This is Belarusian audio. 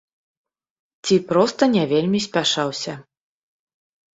Ці проста не вельмі спяшаўся.